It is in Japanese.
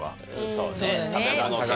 そうだね。